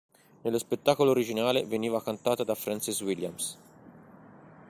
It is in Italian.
Nello spettacolo originale, veniva cantata da Frances Williams.